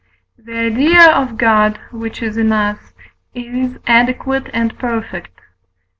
The idea of God which is in us is adequate and perfect (II.